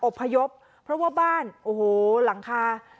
พยพเพราะว่าบ้านโอ้โหหลังคา